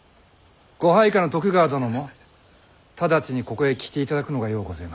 ご配下の徳川殿も直ちにここへ来ていただくのがようごぜます。